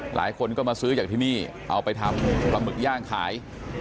หลายคนก็มาซื้อจากที่นี่เอาไปทำปลาหมึกย่างขาย